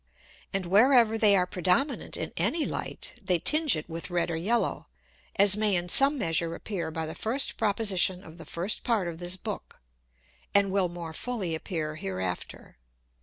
And where ever they are predominant in any Light, they tinge it with red or yellow, as may in some measure appear by the first Proposition of the first Part of this Book, and will more fully appear hereafter.